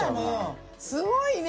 すごいね！